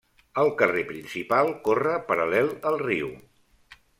El carrer principal corre paral·lel al riu.